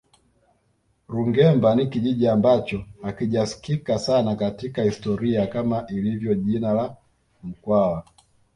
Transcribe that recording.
Rungemba ni kijiji ambacho hakijasikika sana katika historia kama lilivyo jina la mkwawa